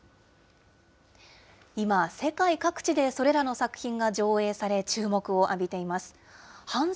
今、世界各地でそれらの作品が上映され、注目を浴びています。